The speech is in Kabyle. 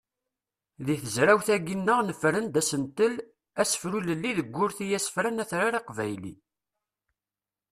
Deg tezrawt-agi-nneɣ nefren-d asentel: asefru ilelli deg urti asefran atrar aqbayli.